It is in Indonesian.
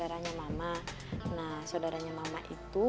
harusnya monster ketemu aja diwajan sulit